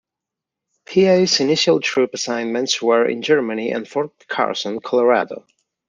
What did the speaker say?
Peay’s initial troop assignments were in Germany and Fort Carson, Colorado.